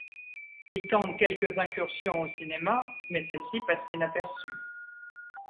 Il tente quelques incursions au cinéma, mais celles ci passent inaperçues.